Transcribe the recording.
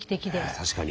確かに。